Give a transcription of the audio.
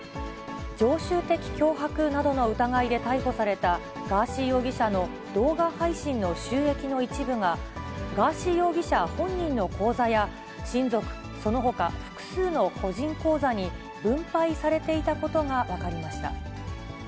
常習的脅迫などの疑いで逮捕されたガーシー容疑者の動画配信の収益の一部が、ガーシー容疑者本人の口座や、親族、そのほか複数の個人口座に分配されていたことが分かりました。